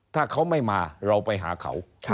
ถ้าเขาไม่มาเราไปหาเขา